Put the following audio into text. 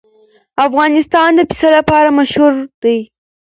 افغانستان د پسه لپاره مشهور دی.